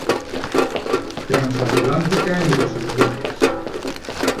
Transatlántica ni de sus buques.